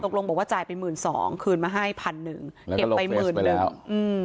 ตกลงบอกว่าจ่ายไปหมื่นสองคืนมาให้พันหนึ่งเก็บไปหมื่นแล้วก็ลบเฟสบุ๊คไปแล้วอืม